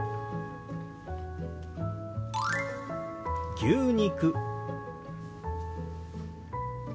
「牛肉」。